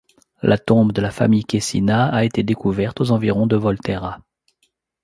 La tombe de la famille Caecina a été découverte aux environs de Volterra.